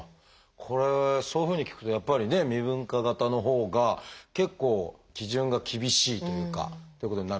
これそういうふうに聞くとやっぱりね未分化型のほうが結構基準が厳しいというかということになるってことですね先生。